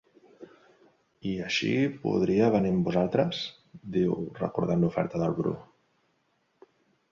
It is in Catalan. I així podria venir amb vosaltres? —diu, recordant l'oferta del Bru.